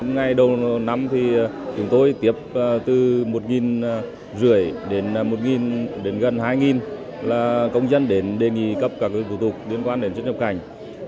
ngay đầu năm thì chúng tôi tiếp từ một năm trăm linh đến gần hai công dân đến đề nghị cấp các tủ tục liên quan đến xuất nhập cảnh